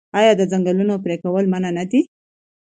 آیا د ځنګلونو پرې کول منع نه دي؟